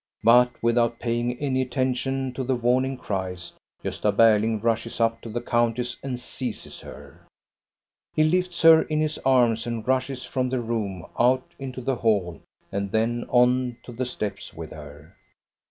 But without paying any attention to the warning cries, Gosta Berling rushes up to the countess and seizes her. He lifts her in his arms and rushes from the room out into the hall and then on to the steps with her.